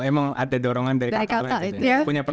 emang ada dorongan dari kakak